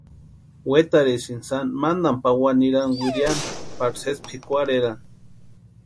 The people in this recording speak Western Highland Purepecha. Wetarhisïnti sani mantani pawani nirani wiriani pari sési pʼikwarherani.